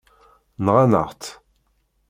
Nɣan-aɣ-tt.